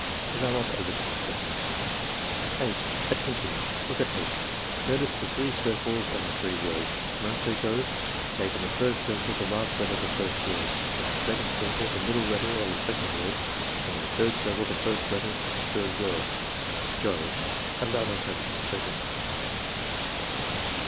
(Allow not over 10 seconds.) 8. "Attention! Look at 8. Notice the three circles and the three words. When I say 'go' make in the first circle the last letter of the first word; in the second circle the middle letter of the second word and in the third circle the first letter of the third word. — Go!" (Allow not over 10 seconds.)